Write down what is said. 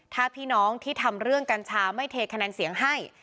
ถ้าพี่น้องที่ทำเรื่องกัญชาไม่เทคะแนนเสียงให้